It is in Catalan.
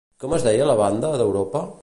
Com es deia la banda d'Europa?